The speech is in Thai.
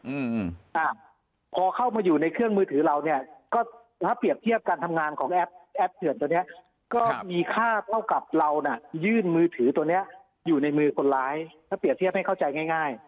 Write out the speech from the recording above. อืมอ่าพอเข้ามาอยู่ในเครื่องมือถือเราเนี้ยก็ถ้าเปรียบเทียบการทำงานของแอปแอปเถือนตัวเนี้ยก็มีค่าเท่ากับเราน่ะยื่นมือถือตัวเนี้ยอยู่ในมือคนร้ายถ้าเปรียบเทียบให้เข้าใจง่ายง่าย